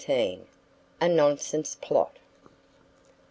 A NONSENSE PLOT.